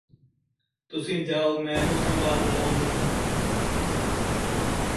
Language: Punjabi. ਤੁਸੀਂ ਜਾਓ ਮੈਂ ਇਹਨੂੰ ਸੰਭਾਲ ਲਵਾਂਗਾ